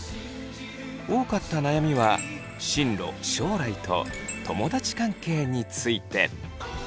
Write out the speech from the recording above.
多かった悩みは進路将来と友だち関係について。